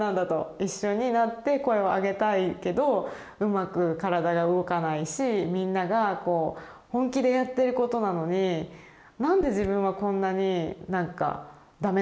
一緒になって声を上げたいけどうまく体が動かないしみんなが本気でやってることなのになんで自分はこんなに駄目なんだみたいな。